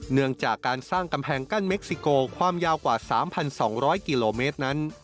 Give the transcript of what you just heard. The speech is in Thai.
เนื่องจากการสร้างกำแพงกั้นเม็กซิโกความยาวกว่า๓๒๐๐กิโลเมตรนั้น